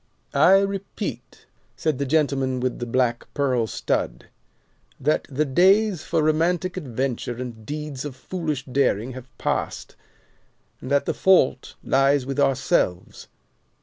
"I repeat," said the gentleman with the black pearl stud, "that the days for romantic adventure and deeds of foolish daring have passed, and that the fault lies with ourselves.